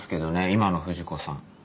今の富士子さん